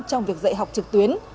trong việc dạy học trực tuyến